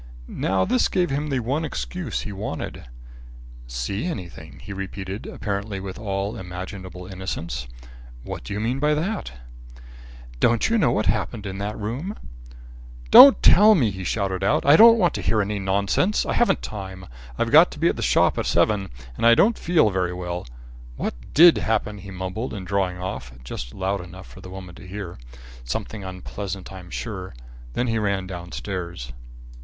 Now this gave him the one excuse he wanted. "See anything?" he repeated, apparently with all imaginable innocence. "What do you mean by that?" "Don't you know what happened in that room?" "Don't tell me!" he shouted out. "I don't want to hear any nonsense. I haven't time. I've got to be at the shop at seven and I don't feel very well. What did happen?" he mumbled in drawing off, just loud enough for the woman to hear. "Something unpleasant I'm sure." Then he ran downstairs.